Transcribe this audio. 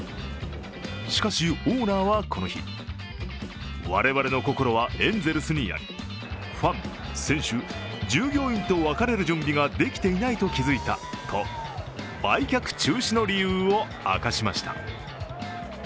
しかし、オーナーはこの日、我々の心はエンゼルスにあり、ファン、選手、従業員と別れる準備ができていないと気付いたと売却中止の理由を明かしました。